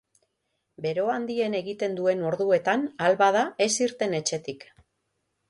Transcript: Bero handien egiten duen orduetan, ahal bada, ez irten etxetik.